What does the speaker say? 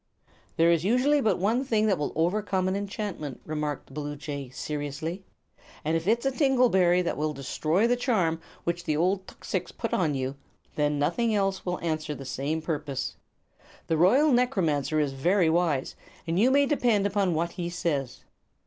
"There is usually but one thing that will overcome an enchantment," remarked the bluejay, seriously; "and if it is a tingle berry that will destroy the charm which the old tuxix put upon you, then nothing else will answer the same purpose. The Royal Necromancer is very wise, and you may depend upon what he says.